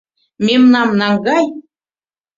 — Мемнам наҥгай.